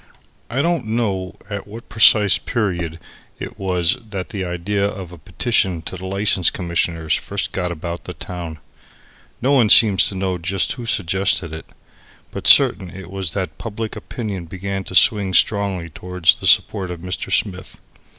I don't know at what precise period it was that the idea of a petition to the License Commissioners first got about the town. No one seemed to know just who suggested it. But certain it was that public opinion began to swing strongly towards the support of Mr. Smith.